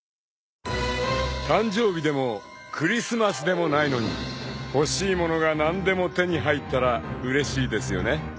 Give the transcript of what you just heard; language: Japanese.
［誕生日でもクリスマスでもないのに欲しいものが何でも手に入ったらうれしいですよね］